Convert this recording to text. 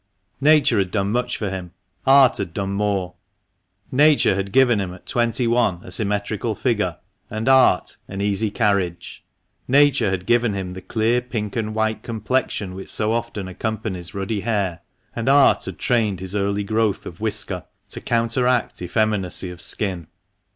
Nature had done much for him, art had done more. Nature had given him at twenty one a symmetrical figure, and art an easy carriage. Nature had given him the clear pink and white complexion which so often accompanies ruddy hair, and art had trained his early growth of whisker to counteract effeminacy of skin.